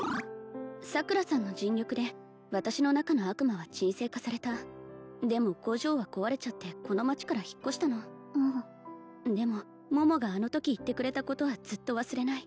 桜さんの尽力で私の中の悪魔は沈静化されたでも工場は壊れちゃってこの町から引っ越したのでも桃があのとき言ってくれたことはずっと忘れない